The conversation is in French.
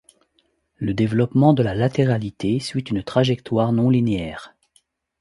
Le développement de la latéralité suit une trajectoire non linéaire.